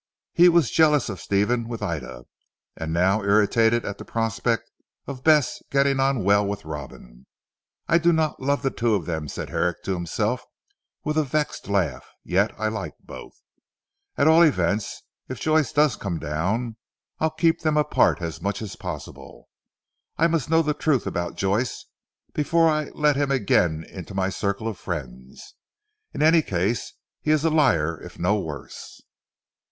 He was jealous of Stephen with Ida, and now irritated at the prospect of Bess getting on well with Robin. "I do not love the two of them," said Herrick to himself with a vexed laugh, "yet I like both. At all events if Joyce does come down, I'll keep them apart as much as possible. I must know the truth about Joyce before I let him again into my circle of friends. In any case he is a liar if no worse."